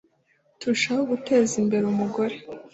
turushaho guteza imbere umugore